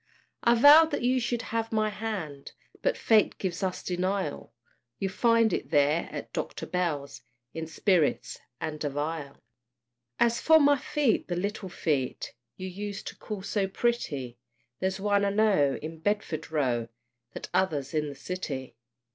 I vowed that you should have my hand, But fate gives us denial; You'll find it there, at Dr. Bell's, In spirits and a phial. As for my feet, the little feet You used to call so pretty, There's one, I know, in Bedford Row, The t'other's in the City.